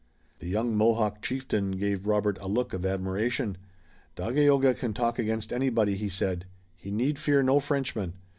The young Mohawk chieftain gave Robert a look of admiration. "Dagaeoga can talk against anybody," he said. "He need fear no Frenchman.